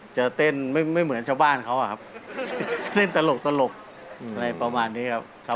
จะเต้นไม่เหมือนชาวบ้านเขาอะครับเต้นตลกอะไรประมาณนี้ครับ